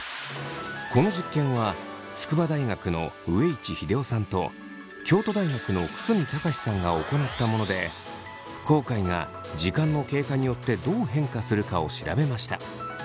この実験は筑波大学の上市秀雄さんと京都大学の楠見孝さんが行ったもので後悔が時間の経過によってどう変化するかを調べました。